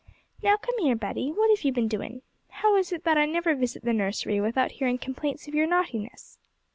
'Now come here, Betty; what have you been doing? How is it that I never visit the nursery without hearing complaints of your naughtiness?'